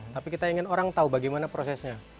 tapi kita ingin orang tahu bagaimana prosesnya